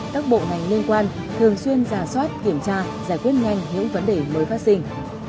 các bộ ngành liên quan thường xuyên giả soát kiểm tra giải quyết nhanh những vấn đề mới phát sinh